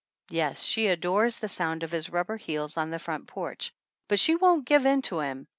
Yes, she adores the sound of his rubber heels on the front porch; but she won't give in to him.